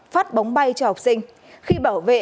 phát bóng bay cho học sinh khi bảo vệ